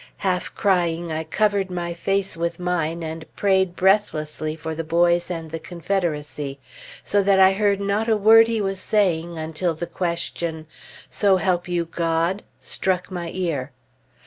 Half crying, I covered my face with mine and prayed breathlessly for the boys and the Confederacy, so that I heard not a word he was saying until the question, "So help you God?" struck my ear.